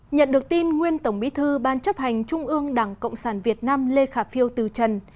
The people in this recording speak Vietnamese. nhận được tin nguyên tổng bí thư ban chấp hành trung ương đảng cộng sản việt nam lê khả phiêu từ trần